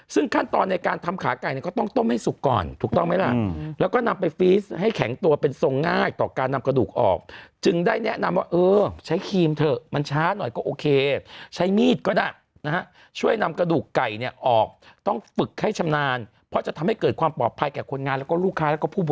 ซึ่งขั้นตอนในการทำขาไก่เนี่ยก็ต้องต้มให้สุกก่อนถูกต้องไหมล่ะแล้วก็นำไปฟีสให้แข็งตัวเป็นทรงง่ายต่อการนำกระดูกออกจึงได้แนะนำว่าเออใช้ครีมเถอะมันช้าหน่อยก็โอเคใช้มีดก็ได้นะฮะช่วยนำกระดูกไก่เนี่ยออกต้องฝึกให้ชำนาญเพราะจะทำให้เกิดความปลอดภัยแก่คนงานแล้วก็ลูกค้าแล้วก็ผู้บ